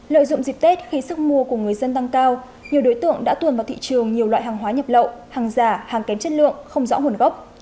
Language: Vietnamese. lợi dụng dịp tết khi sức mua của người dân tăng cao nhiều đối tượng đã tuồn vào thị trường nhiều loại hàng hóa nhập lậu hàng giả hàng kém chất lượng không rõ nguồn gốc